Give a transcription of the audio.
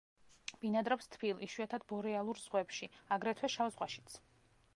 ბინადრობს თბილ, იშვიათად ბორეალურ ზღვებში, აგრეთვე შავ ზღვაშიც.